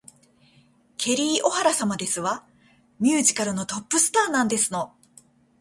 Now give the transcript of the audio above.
ケリー・オハラ様ですわ。ミュージカルのトップスターなんですの